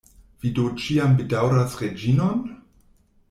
Vi do ĉiam bedaŭras Reĝinon?